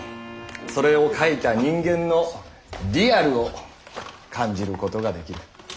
それを描いた人間の「リアル」を感じることができる。